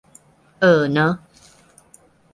เออเนอะ